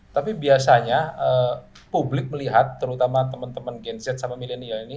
tapi biasanya publik melihat terutama teman teman gen z sama milenial ini